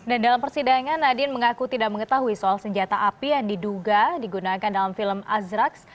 dan dalam persidangan nadine mengaku tidak mengetahui soal senjata api yang diduga digunakan dalam film azrax